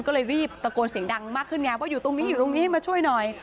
ก็เลยรีบตะโกนเสียงดังมากขึ้นไงว่าอยู่ตรงนี้อยู่ตรงนี้มาช่วยหน่อย